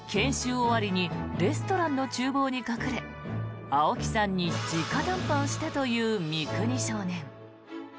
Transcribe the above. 終わりにレストランの厨房に隠れ青木さんに直談判したという三國少年。